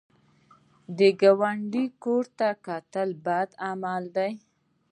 د ګاونډي کور ته کتل بد عمل دی